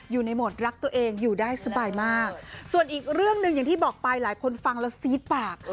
อยู่ในโหมดรักตัวเองอยู่ได้สบายมากส่วนอีกเรื่องหนึ่งอย่างที่บอกไปหลายคนฟังแล้วซี๊ดปาก